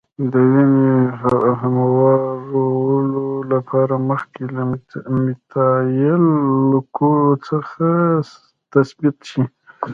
د وینې هموارولو لپاره مخکې له میتایل الکولو څخه تثبیت شي.